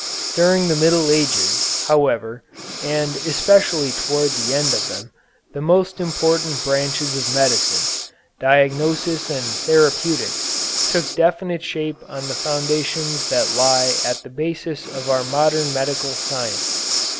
During the Middle Ages, however, and especially towards the end of them, the most important branches of medicine, diagnosis and therapeutics, took definite shape on the foundations that lie at the basis of our modern medical science.